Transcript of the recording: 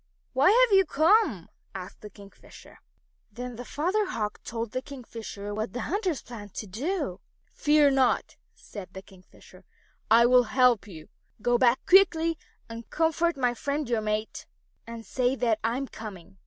"Why have you come?" asked the Kingfisher. Then the Father Hawk told the Kingfisher what the hunters planned to do. "Fear not," said the Kingfisher. "I will help you. Go back quickly and comfort my friend your mate, and say that I am coming."